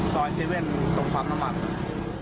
ขี่ไปทางตรงตรงความน้ำหลัก